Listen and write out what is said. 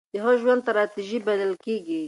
د هغه ژوند تراژيدي بلل کېږي.